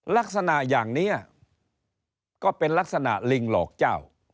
ลักษณะอย่างนี้ก็เป็นลักษณะลิงหลอกเจ้า